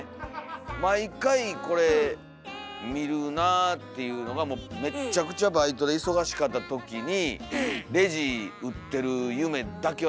毎回これ見るなっていうのがめっちゃくちゃバイトで忙しかった時にお。